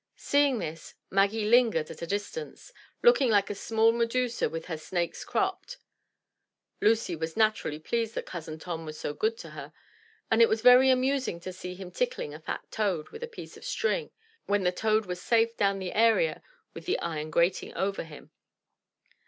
Seeing this, Maggie lingered at a dis tance, looking like a small Medusa with her snakes cropped. Lucy was naturally pleased that cousin Tom was so good to her, and it was very amusing to see him tickling a fat toad with a piece of string when the toad was safe down the area with an iron grating over him.